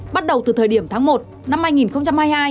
bắt đầu từ thời điểm tháng một năm hai nghìn hai mươi hai